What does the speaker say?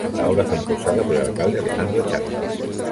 La obra fue impulsada por el alcalde Alejandro Char.